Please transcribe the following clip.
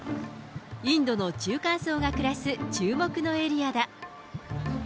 インドの中間層が暮らす注目のエリアだ。